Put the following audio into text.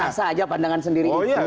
sasa saja pandangan sendiri itu